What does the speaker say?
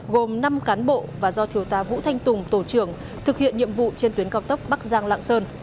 gồm năm cán bộ và do thiếu tá vũ thanh tùng tổ trưởng thực hiện nhiệm vụ trên tuyến cao tốc bắc giang lạng sơn